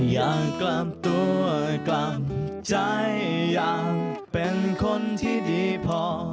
อย่างกลางตัวกลางใจอยากเป็นคนที่ดีพอ